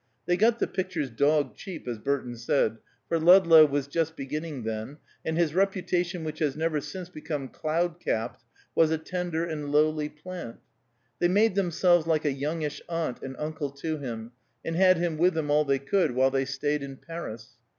They got the pictures dog cheap, as Burton said, for Ludlow was just beginning then, and his reputation which has never since become cloud capt, was a tender and lowly plant. They made themselves like a youngish aunt and uncle to him, and had him with them all they could while they stayed in Paris.